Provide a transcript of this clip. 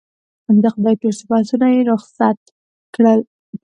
د خدای ټول صفتونه یې رخصت کړل.